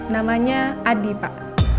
namanya adi pak